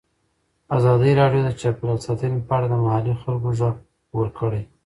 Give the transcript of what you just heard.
ازادي راډیو د چاپیریال ساتنه په اړه د محلي خلکو غږ خپور کړی.